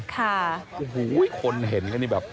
คนเห็นกันนี่แบบ